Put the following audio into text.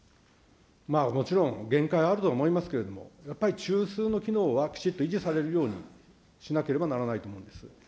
もちろん限界あると思いますけれども、やっぱり中枢の機能は、きちっと維持されるようにしなければならないと思うんですよ。